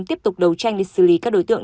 tiếp tục đấu tranh để xử lý các đối tượng